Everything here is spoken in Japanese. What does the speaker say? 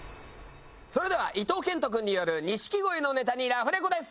それでは伊東健人君による錦鯉のネタにラフレコです。